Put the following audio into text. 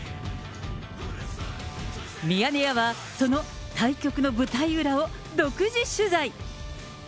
ミヤネ屋はその対局の舞台裏を独自取材。